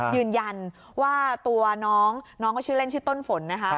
ยืนยันว่าตัวน้องน้องก็ชื่อเล่นชื่อต้นฝนนะคะ